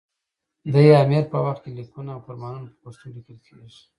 دې امیر په وخت کې لیکونه او فرمانونه په پښتو لیکل کېدل.